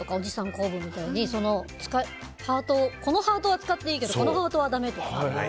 構文みたいにこのハートは使っていいけどこのハートはダメみたいな。